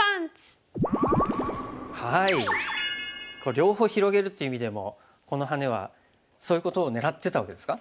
両方広げるっていう意味でもこのハネはそういうことを狙ってたわけですか？